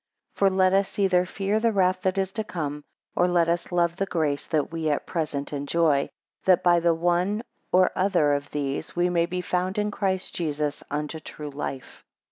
6 For let us either fear the wrath that is to come, or let us love the grace that we at present enjoy; that by the one or other of these, we may be found in Christ Jesus, unto true life.